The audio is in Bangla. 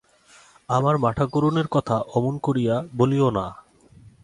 আমার মাঠাকরুণের কথা অমন করিয়া বলিও না।